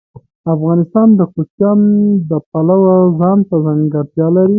افغانستان د کوچیان د پلوه ځانته ځانګړتیا لري.